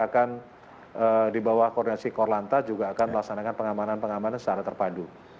akan di bawah koordinasi korlanta juga akan melaksanakan pengamanan pengamanan secara terpadu